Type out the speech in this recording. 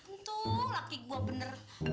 untung laki gua bener